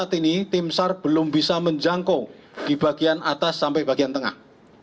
saat ini tim sar belum bisa menjangkau di bagian atas sampai bagian tengah